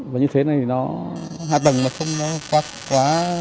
và như thế này nó hạ thần mà không nó quá